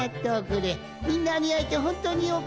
みんなにあえてほんとによかったぞい。